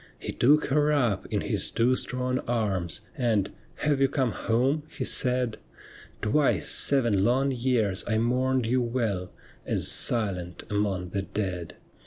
He took her up in his two strong arms, And, ' Have you come home ?' he said ;' Twice seven long years I mourned you well As silent among the dead.'